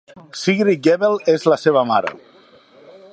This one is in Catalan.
Sigrid Gebel és la seva mare.